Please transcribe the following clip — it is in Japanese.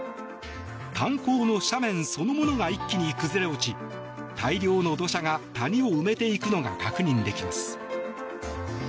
炭鉱の斜面そのものが一気に崩れ落ち大量の土砂が、谷を埋めていくのが確認できます。